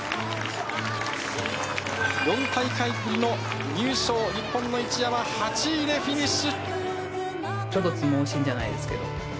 ４大会ぶりの入賞、日本の一山、８位でフィニッシュ。